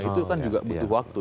itu kan juga butuh waktu